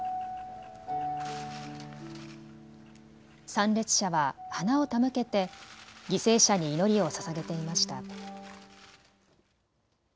参列者は花を手向けて犠牲者に祈りをささげていました。